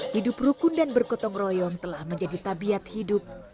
hidup rukun dan bergotong royong telah menjadi tabiat hidup